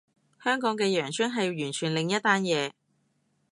香港嘅羊村係完全另一單嘢